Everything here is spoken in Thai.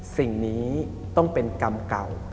สิ่งนี้ต้องเป็นกรรมเก่า